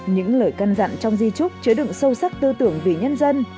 những lời căn dặn trong di trúc chứa đựng sâu sắc tư tưởng vì nhân dân